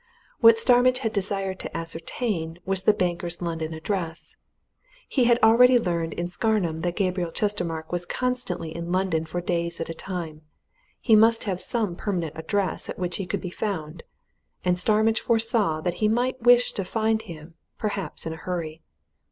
What Starmidge had desired to ascertain was the banker's London address: he had already learned in Scarnham that Gabriel Chestermarke was constantly in London for days at a time he must have some permanent address at which he could be found. And Starmidge foresaw that he might wish to find him perhaps in a hurry.